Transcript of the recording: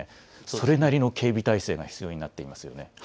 それなりの警備態勢が必要になっていますよね。